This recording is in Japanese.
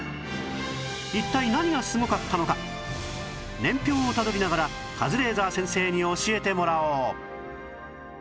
一体何がすごかったのか年表をたどりながらカズレーザー先生に教えてもらおう